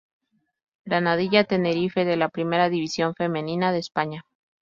Granadilla Tenerife de la Primera División Femenina de España.